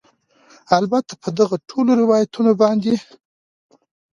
البته په دغه ټولو روایتونو باندې